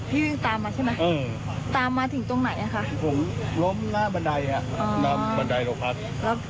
ผมล้มหน้าบันไดบันไดโรงพักษณ์